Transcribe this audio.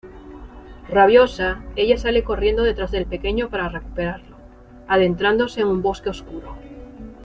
Rabiosa, ella sale corriendo detrás del pequeño para recuperarlo, adentrándose en un bosque oscuro.